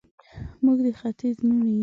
موږ د ختیځ لوڼې یو